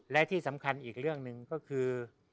และที่สำคัญอีกเรื่องหนึ่งก็คือ